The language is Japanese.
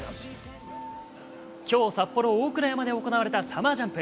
きょう札幌・大倉山で行われたサマージャンプ。